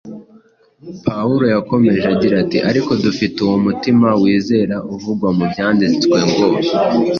Pawulo yakomeje agira ati: “Ariko dufite uwo mutima wizera uvugwa mu byanditswe ngo